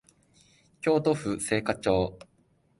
京都府精華町